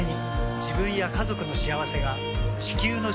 自分や家族の幸せが地球の幸せにつながっている。